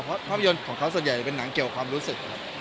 เพราะภาพยนตร์ของเขาส่วนใหญ่จะเป็นหนังเกี่ยวความรู้สึกครับ